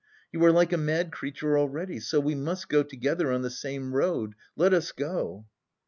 You are like a mad creature already. So we must go together on the same road! Let us go!"